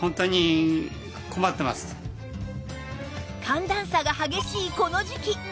寒暖差が激しいこの時季